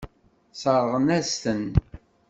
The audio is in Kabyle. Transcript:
Sseṛɣen-as-ten.